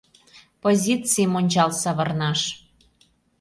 Позицийым ончал савырнаш!